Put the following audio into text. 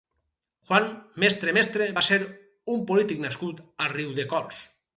Juan Mestre Mestre va ser un polític nascut a Riudecols.